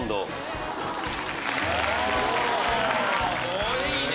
すごいね。